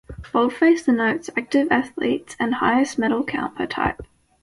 Boldface denotes active athletes and highest medal count per type.